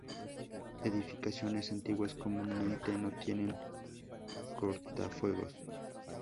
Edificaciones antiguas comúnmente no tienen cortafuegos.